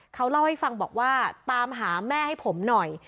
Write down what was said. เขาเล่าให้ฟังบอกว่าตามหาแม่ให้ผมหน่อย